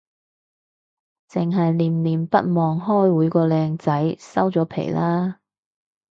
剩係念念不忘開會個靚仔，收咗皮喇